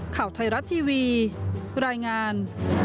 ข่าวไทยรัฐทีวีรายงาน